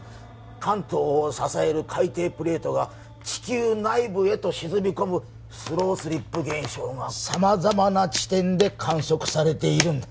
関東を支える海底プレートが地球内部へと沈み込むスロースリップ現象が様々な地点で観測されているんだ